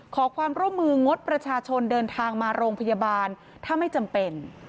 ขอความร่วมมืองดประชาชนเดินทางมาโรงพยาบาลถ้าไม่จำเป็น